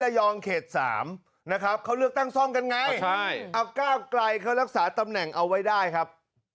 เขต๓นะครับเขาเลือกตั้งซ่อมกันไงใช่เอาก้าวไกลเขารักษาตำแหน่งเอาไว้ได้ครับ